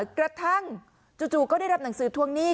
กระทั่งจู่ก็ได้รับหนังสือทวงหนี้